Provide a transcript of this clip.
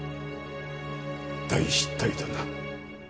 大失態だな。